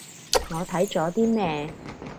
我睇咗啲咩